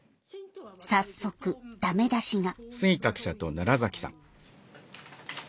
早速ダメ出しが。